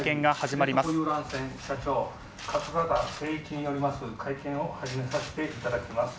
桂田精一による会見を始めさせていただきます。